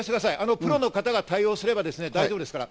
プロの方が対応すれば大丈夫ですから。